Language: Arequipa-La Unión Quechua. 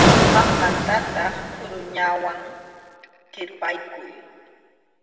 Maqmataqa puruñawan kirpaykuy.